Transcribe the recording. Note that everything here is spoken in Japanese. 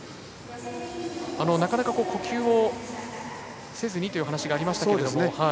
なかなか呼吸をせずにという話がありましたが。